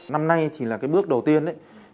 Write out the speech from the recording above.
năm nay là bước đầu tiên